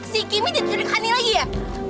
si kimi dicurik hani lagi ya